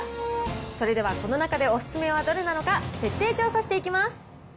それではこの中でお勧めはどれなのか、徹底調査していきます。